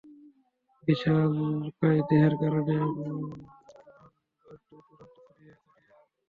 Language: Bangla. বিশালকায় দেহের কারণে তার নাম যশ দূর-দূরান্ত পর্যন্ত ছড়িয়ে পড়েছিল।